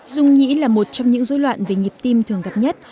dung nhĩ là một trong những dối loạn về nhịp tim thường gặp nhất